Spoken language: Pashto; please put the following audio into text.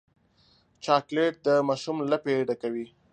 چاکلېټ د ماشوم لپې ډکوي.